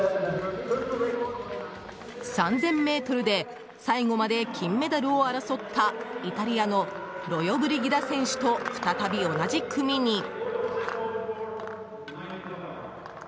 ３０００ｍで最後まで金メダルを争ったイタリアのロヨブリギダ選手と再び同じ組に。